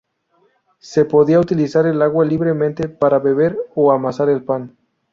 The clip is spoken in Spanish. Se podía utilizar el agua libremente para beber o amasar el pan.